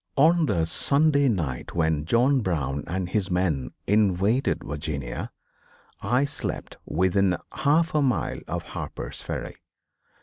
On the Sunday night when John Brown and his men invaded Virginia, I slept within a half mile of Harper's Ferry.